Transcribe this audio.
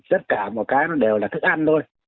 tất cả một cái đều là thức ăn thôi